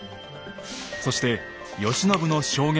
そして慶喜の証言